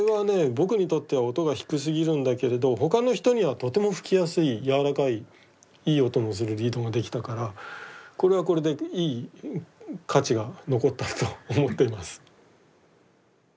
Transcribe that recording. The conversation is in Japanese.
僕にとっては音が低すぎるんだけれどほかの人にはとても吹きやすい柔らかいいい音のするリードが出来たからこれはこれでいい価値が残ったと思っています。